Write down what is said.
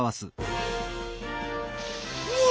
うわ！